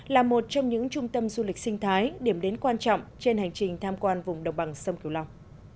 là một trong những trung tâm du lịch sinh thái điểm đến quan trọng trên hành trình tham quan vùng đồng bằng sông kiều long